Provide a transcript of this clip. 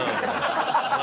ハハハハ！